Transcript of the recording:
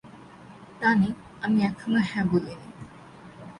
তানি, আমি এখনও হ্যাঁ বলিনি।